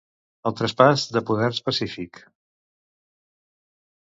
El traspàs de poders pacífic.